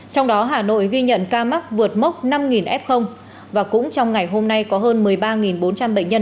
trong đó hà nội ghi nhận ca mắc vượt mốc năm f và cũng trong ngày hôm nay có hơn một mươi ba bốn trăm linh bệnh nhân